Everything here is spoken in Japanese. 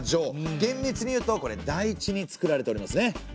厳密に言うとこれ台地につくられておりますね。